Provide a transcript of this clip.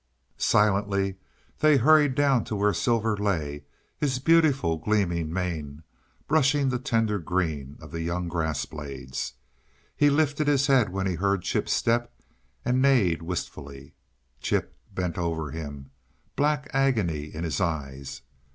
Silently they hurried down where Silver lay, his beautiful, gleaming mane brushing the tender green of the young grass blades. He lifted his head when he heard Chip's step, and neighed wistfully. Chip bent over him, black agony in his eyes.